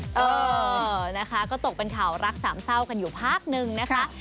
เออนะคะก็ตกเป็นข่าวรักสามเศร้ากันอยู่พักนึงนะคะ